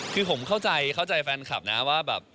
คือผมเข้าใจเข้าใจแฟนคลับนะว่าแบบ